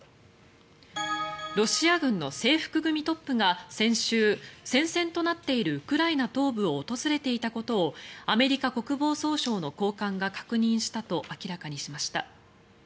ロシア軍の制服組トップが先週戦線となっているウクライナ東部を訪れていたことをアメリカ国防総省の高官が確認したと明らかにしました。